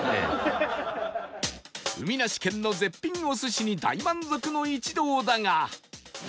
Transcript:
海なし県の絶品お寿司に大満足の一同だが